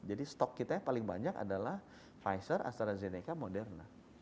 jadi stok kita yang paling banyak adalah pfizer astrazeneca moderna